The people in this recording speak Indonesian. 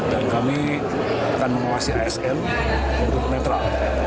dan kami akan mengawasi asm untuk netral